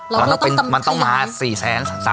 เราต้องต้องมาที่หา